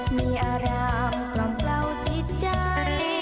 มีอารามปลอบเล่าจิตใจ